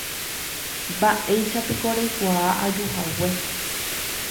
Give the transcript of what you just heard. Mba'éichapiko reikuaa ajuhague.